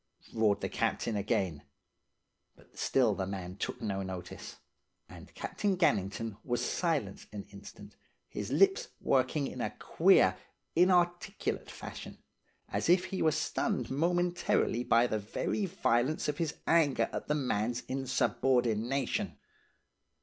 roared the captain again; but still the man took no notice. "And Captain Gannington was silent an instant, his lips working in a queer, inarticulate fashion, as if he were stunned momentarily by the very violence of his anger at the man's insubordination.